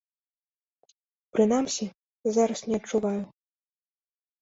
Прынамсі, зараз не адчуваю.